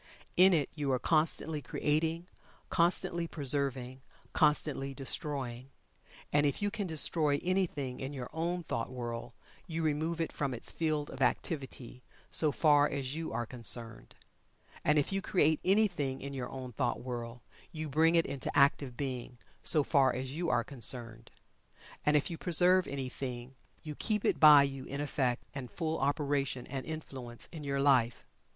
In it you are constantly creating constantly preserving constantly destroying. And if you can destroy anything in your own thought world you remove it from its field of activity, so far as you are concerned. And if you create anything in your own thought world, you bring it into active being, so far as you are concerned. And if you preserve anything, you keep it by you in effect and full operation and influence in your life.